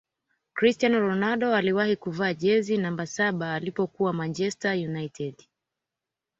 cristiano ronaldo aliwahi kuvaa jezi namba saba alipokuwa manchezter united